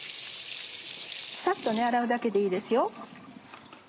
サッと洗うだけでいいですよ。